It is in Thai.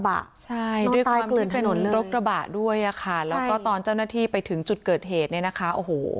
น้องตายเกลือนหนึ่งเลยใช่ด้วยความที่เป็นถนนรถกระบะด้วยอะค่ะแล้วก็ตอนเจ้าหน้าที่ไปถึงจุดเกิดเหตุเนี่ยนะคะโอ้โห